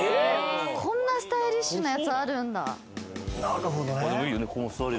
こんなスタイリッシュなやつあるんだ。